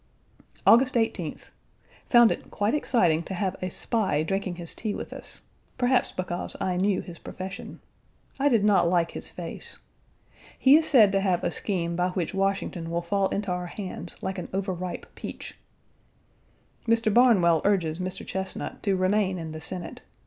August 18th. Found it quite exciting to have a spy drinking his tea with us perhaps because I knew his profession. I did not like his face. He is said to have a scheme by which Washington will fall into our hands like an overripe peach. Mr. Barnwell urges Mr. Chesnut to remain in the Senate.